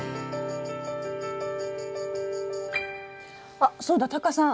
あそうだタカさん！